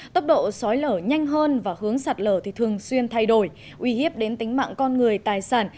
tốc độ xói lở nhanh hơn và hướng sạt lở thì thường xuyên thay đổi uy hiếp đến tính mạng con người tài sản